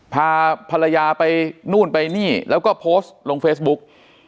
พาภรรยาไปนู่นไปนี่แล้วก็โพสต์ลงเฟซบุ๊ก